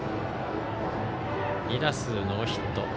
２打数ノーヒット。